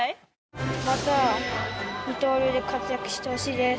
また二刀流で活躍してほしいです。